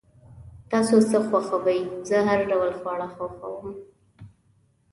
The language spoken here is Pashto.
تاسو څه خوښوئ؟ زه هر ډوله خواړه خوښوم